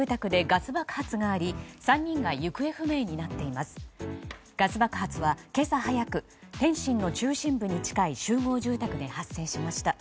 ガス爆発は今朝早く天津の中心部に近い集合住宅で発生しました。